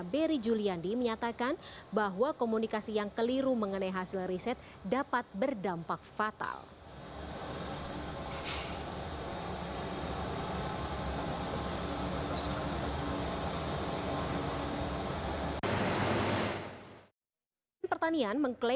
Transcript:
beri juliandi menyatakan bahwa komunikasi yang keliru mengenai hasil riset dapat berdampak fatal